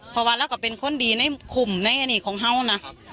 พอวันเราก็เป็นคนดีในคุมของเรานะ